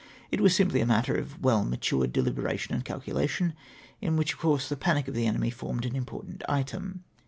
It was simply a matter of well matm^ed dehberation and calculation, in wliich, of com^se, the panic of the enemy formed an important item.